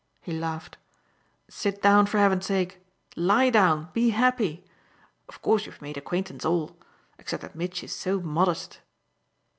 he laughed. "Sit down, for heaven's sake; lie down be happy! Of course you've made acquaintance all except that Mitchy's so modest!